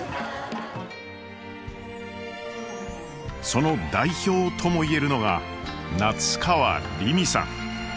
その代表とも言えるのが夏川りみさん。